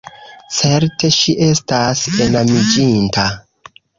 Certe ŝi estas enamiĝinta.